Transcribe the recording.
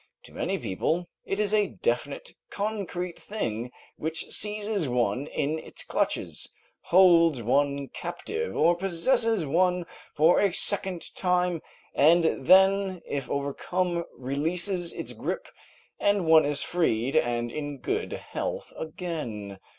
To many people it is a definite, concrete thing which seizes one in its clutches, holds one captive or possesses one for a second time, and then if overcome releases its grip and one is free and in good health again.